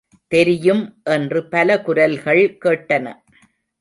தெரியும் என்று பல குரல்கள் கேட்டன.